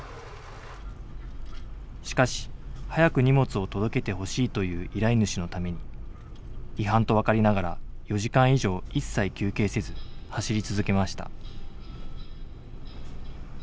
しかし早く荷物を届けてほしいという依頼主のために違反と分かりながら４時間以上一切休憩せず走り続けました。